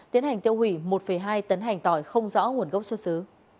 tiến hành tiêu hủy một hai tấn hành tỏi không rõ nguồn gốc xuất xứ